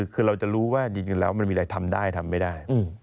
คือเราจะรู้ว่าจริงแล้วมันมีอะไรทำได้ทำไม่ได้